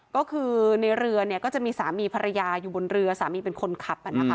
ก็คือในเรือเนี่ยก็จะมีสามีภรรยาอยู่บนเรือสามีเป็นคนขับ